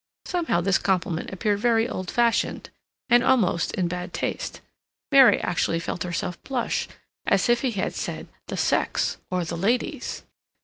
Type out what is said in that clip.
Somehow this compliment appeared very old fashioned and almost in bad taste. Mary actually felt herself blush, as if he had said "the sex" or "the ladies."